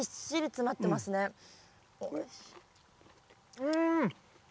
うん！